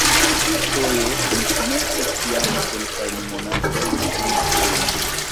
Ĉi-foje ni komencis jam kelkajn monatojn pli frue.